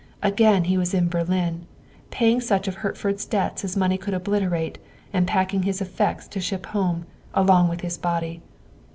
Again he was in Berlin, paying such of Hertford's debts as money could obliterate and packing his effects to ship home, along with his body.